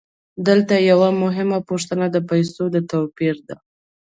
دلته یوه مهمه پوښتنه د پیسو د توپیر ده